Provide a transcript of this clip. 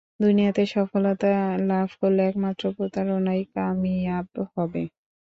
দুনিয়াতে সফলতা লাভ করলে একমাত্র প্রতারণাই কামিয়াব হবে।